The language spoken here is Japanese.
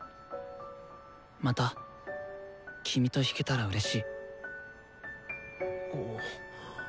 また君と弾けたらうれしい。